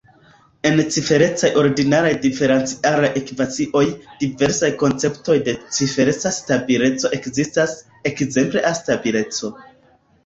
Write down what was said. En ciferecaj ordinaraj diferencialaj ekvacioj, diversaj konceptoj de cifereca stabileco ekzistas, ekzemple A-stabileco.